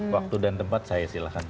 waktu dan tempat saya silahkan